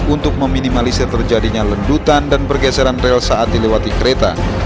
untuk meminimalisir terjadinya lendutan dan pergeseran rel saat dilewati kereta